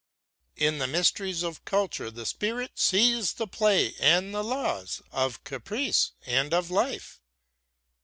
In the mysteries of culture the spirit sees the play and the laws of caprice and of life.